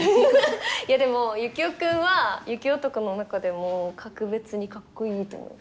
いやでもユキオ君は雪男の中でも格別にかっこいいと思います。